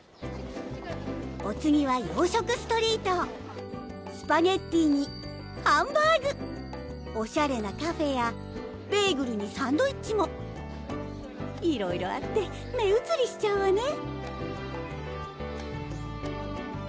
お次は洋食ストリートスパゲッティにハンバーグオシャレなカフェやベーグルにサンドイッチもいろいろあって目うつりしちゃうわね